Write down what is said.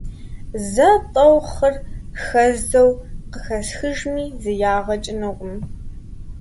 Зэ-тӀэу хъыр хэздзэу къыхэсхыжми зы ягъэ кӀынукъым…